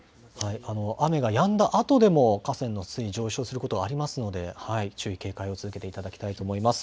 雨がやんだあとでも、河川の水位、上昇することがありますので、注意、警戒を続けていただきたいと思います。